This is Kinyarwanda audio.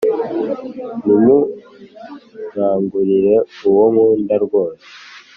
ntimunkangurire uwo nkunda rwose